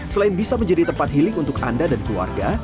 selain bisa menjadi tempat healing untuk anda dan keluarga